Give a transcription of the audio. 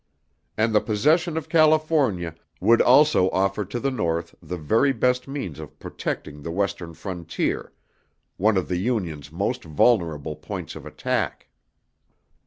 And the possession of California would also offer to the North the very best means of protecting the Western frontier, one of the Union's most vulnerable points of attack.